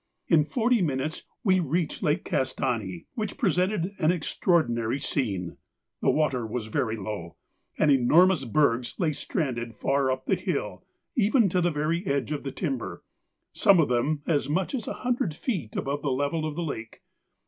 In forty minutes we reached Lake Castani, which presented an extraordinary scene; the water was very low, and enormous bergs lay stranded far up the hill, even to the very edge of the timber, some of them as much as a hundred feet above the level of the lake.